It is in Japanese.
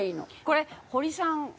これ堀さん